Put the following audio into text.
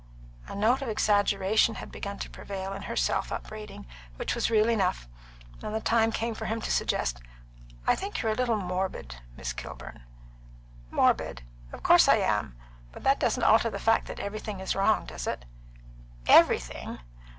A note of exaggeration had begun to prevail in her self upbraiding, which was real enough, and the time came for him to suggest, "I think you're a little morbid, Miss Kilburn." "Morbid! Of course I am! But that doesn't alter the fact that everything is wrong, does it?" "Everything!"